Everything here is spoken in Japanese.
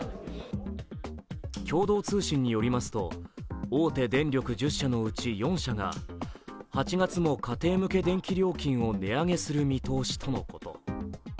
共同通信によりますと、大手電力１０社のうち４社が８月も家庭向け電気料金を値上げする見通しとのこと。